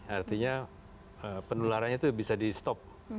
artinya penularannya itu bisa di stop